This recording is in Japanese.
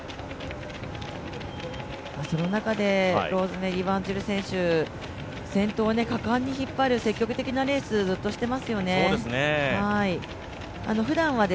その中でローズメリー・ワンジル選手、先頭を果敢に引っ張る積極的なレースずっとしていますよね。